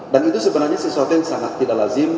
dan itu sebenarnya sesuatu yang sangat tidak lazim